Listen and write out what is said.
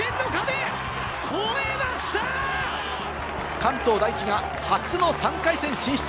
関東第一が初の３回戦進出。